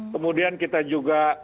kemudian kita juga